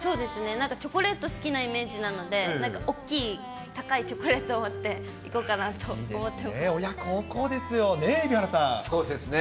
なんかチョコレート好きなイメージなので、なんかおっきい高いチョコレートを持って、行こうかなと思ってまいいですね、親孝行ですよね、ねえ、そうですね。